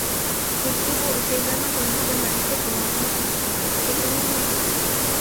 چۈنكى بۇ ئۈچەيلەننىڭ قىلمىشىدىن بىرلىشىپ بۇلاڭچىلىق قىلىش جىنايىتى شەكىللەنمەيدۇ.